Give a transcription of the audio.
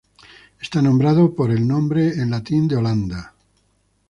Está nombrado por el nombre en latín de Holanda.